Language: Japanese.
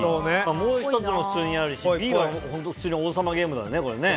もう１つも普通にあるしＢは普通に王様ゲームだね。